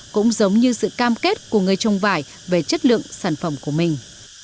cũng giống như sự cam kết của người trồng vải về chất lượng sản phẩm của mình